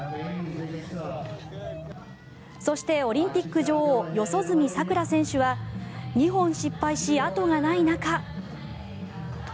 そしてオリンピック女王四十住さくら選手は２本失敗し、後がない中。